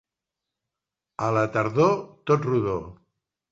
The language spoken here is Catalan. A la tardor, tot rodó.